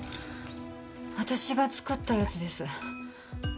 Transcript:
私が作ったやつです。